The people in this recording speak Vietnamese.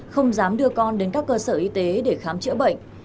không dám đưa con đến các cơ sở y tế để khám chữa bệnh